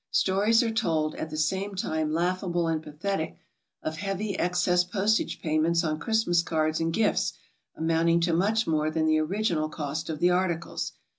Stories are told, at the same time laugh able and pathetic, of heavy excess postage payments on Christmas cards and gifts, amounting to much more than the original cost of the articles.